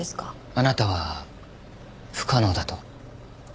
あなたは不可能だと？